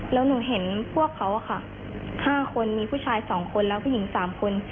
แล้วหนูเห็นพวกเขาค่ะ๕คนมีผู้ชาย๒คนแล้วผู้หญิง๓คน